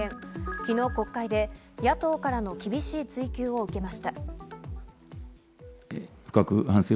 昨日国会で野党からの厳しい追及を受けました。